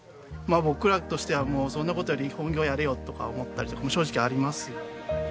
まあ僕らとしてはそんな事より本業やれよとか思ったりとかも正直ありますよね。